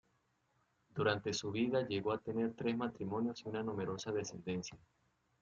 Durante su vida llegó a tener tres matrimonios y una numerosa descendencia.